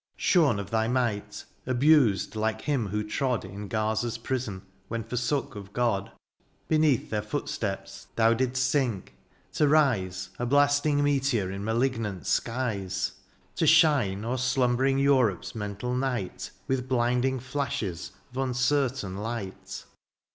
64 DIONYSIUS, Shorn of thy might, abused like him who trod In Graza's prison when forsook of God, Beneath their footsteps thou didst sink — ^to rise A blasting meteor in malignant skies — To shine o^er slumbering Europe^s mental night. With blinding flashes of uncertain light.